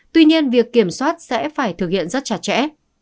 tuy nhiên việc kiểm soát sẽ phải thực hiện rất chặt chẽ